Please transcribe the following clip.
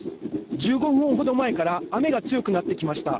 １５分ほど前から雨が強くなってきました。